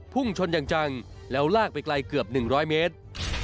พุ่งชนอย่างจังแล้วลากไปไกลเกือบ๑๐๐เมตร